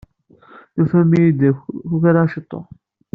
Tufam iyi d kukraɣ ciṭuḥ.